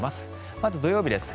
まず、土曜日です。